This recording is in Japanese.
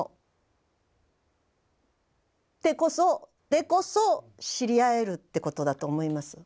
でこそ知り合えるってことだと思います。